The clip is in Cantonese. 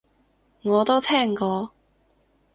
我都聽過